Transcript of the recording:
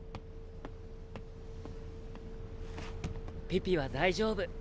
ピピは大丈夫。